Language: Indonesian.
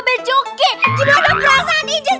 bejoki gimana perasaan icis